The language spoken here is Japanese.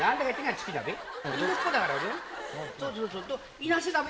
いなせだべ？